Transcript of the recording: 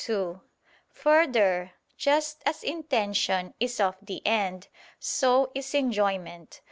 2: Further, just as intention is of the end, so is enjoyment.